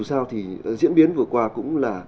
dù sao thì diễn biến vừa qua cũng là